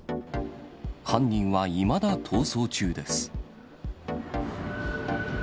犯人はいまだ逃走中です。